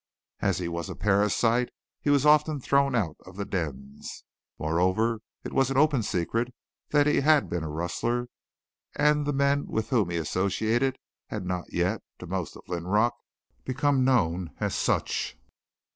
As he was a parasite, he was often thrown out of the dens. Moreover, it was an open secret that he had been a rustler, and the men with whom he associated had not yet, to most of Linrock, become known as such.